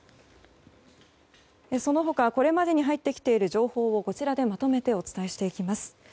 その他これまでに入ってきている情報をこちらでまとめてお伝えしていきます。